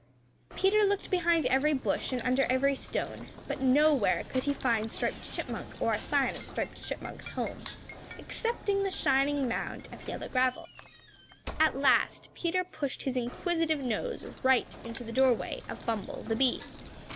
Peter looked behind every bush and under every stone, but nowhere could he find Striped Chipmunk or a sign of Striped Chipmunk's home, excepting the shining mound of yellow gravel. At last Peter pushed his inquisitive nose right into the doorway of Bumble the Bee.